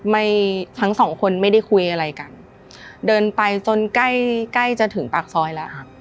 ไม่ทั้งสองคนไม่ได้คุยอะไรกันเดินไปจนใกล้ใกล้จะถึงปากซอยแล้ว